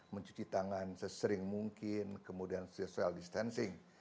mencuci tangan sesering mungkin kemudian social distancing